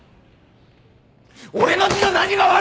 俺の字の何が悪い！